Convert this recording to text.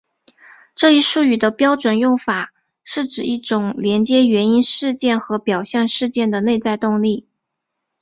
这一术语的标准用法是指一种连接原因事件和表象事件的内在动力。